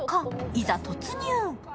いざ突入。